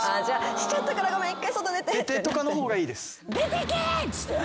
しちゃったからごめん一回外出て。とかの方がいいです。